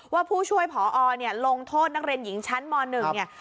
ผู้ช่วยผอเนี่ยลงโทษนักเรียนหญิงชั้นม๑เนี่ย